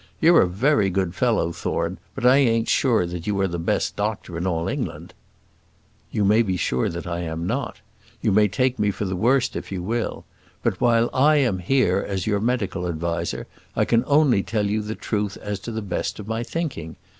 You're a very good fellow, Thorne, but I ain't sure that you are the best doctor in all England." "You may be sure I am not; you may take me for the worst if you will. But while I am here as your medical adviser, I can only tell you the truth to the best of my thinking.